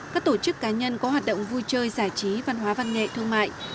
các tổ chức cá nhân có hoạt động vui chơi giải trí văn hóa văn nghệ thương mại